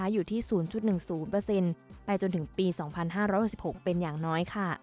อยู่ที่๐๑๐ไปจนถึงปี๒๕๖๖เป็นอย่างน้อย